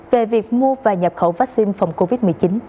về việc mua và nhập khẩu vaccine phòng covid một mươi chín